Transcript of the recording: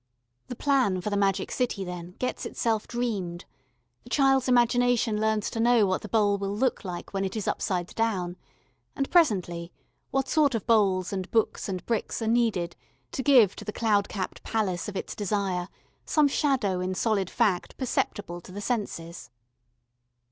The plan for the magic city, then, gets itself dreamed the child's imagination learns to know what the bowl will look like when it is upside down, and, presently, what sort of bowls and books and bricks are needed to give to the cloud capped palace of its desire some shadow in solid fact perceptible to the senses.